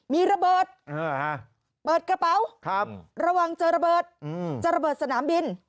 มีระเบิดเปิดกระเป๋าระวังเจอระเบิดเจอระเบิดสนามบิน